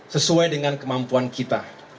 sesuai dengan kemampuan kita